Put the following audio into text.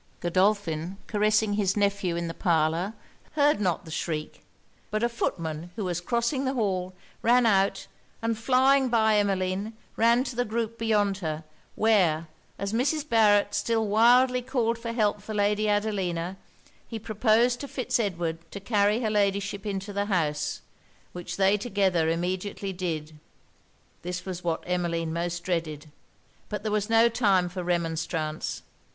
Godolphin, caressing his nephew in the parlour, heard not the shriek; but a footman who was crossing the hall ran out; and flying by Emmeline, ran to the group beyond her; where, as Mrs. Barret still wildly called for help for Lady Adelina, he proposed to Fitz Edward to carry her ladyship into the house, which they together immediately did. This was what Emmeline most dreaded. But there was no time for remonstrance.